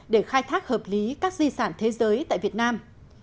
để khai thác hợp lý các di sản thế giới tại việt nam